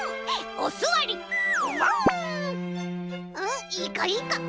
うんいいこいいこ。